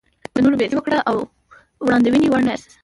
د نورو بې عزتي وکړئ او د وړاندوینې وړ نه یاست.